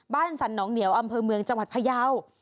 บ้านสันน้องเหนียวอำเภอเมืองจังหวัดพระยาว